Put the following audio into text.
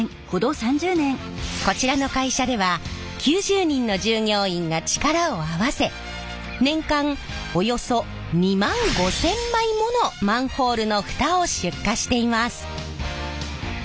こちらの会社では９０人の従業員が力を合わせ年間およそ２万５，０００枚ものマンホールの蓋を出荷しています。